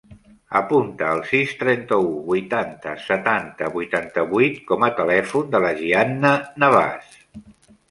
Apunta el sis, trenta-u, vuitanta, setanta, vuitanta-vuit com a telèfon de la Gianna Navas.